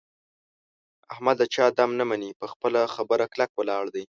احمد د چا دم نه مني. په خپله خبره کلک ولاړ دی.